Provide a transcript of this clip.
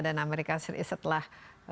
dan amerika setelah